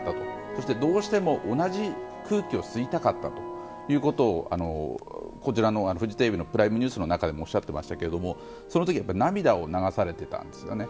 そして、どうしても同じ空気を吸いたかったということをフジテレビの「プライムニュース」の中でもおっしゃっていましたけどもその時に涙を流されていたんですよね。